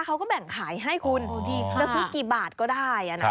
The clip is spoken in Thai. จะซื้อกี่บาทก็ได้นะ